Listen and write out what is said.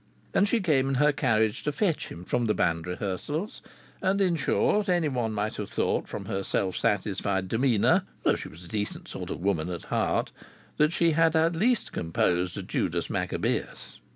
And she came in her carriage to fetch him from the band rehearsals; and, in short, anyone might have thought from her self satisfied demeanour (though she was a decent sort of woman at heart) that she had at least composed "Judas Maccabeus."